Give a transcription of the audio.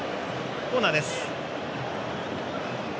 コーナーです。